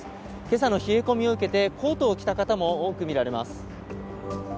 今朝の冷え込みを受けてコートを着た方も多く見られます。